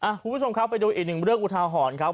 คุณผู้ชมครับไปดูอีกหนึ่งเรื่องอุทาหรณ์ครับ